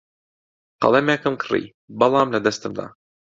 قەڵەمێکم کڕی، بەڵام لەدەستم دا.